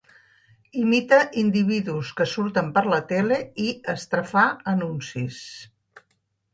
Imita individus que surten per la tele i estrafà anuncis.